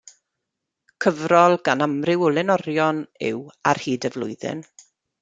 Cyfrol gan amryw o lenorion yw Ar hyd y Flwyddyn.